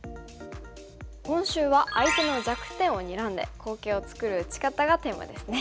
今週は相手の弱点をにらんで好形を作る打ち方がテーマですね。